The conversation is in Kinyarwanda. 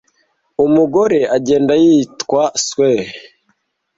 Umugore agenda yitwa Sue.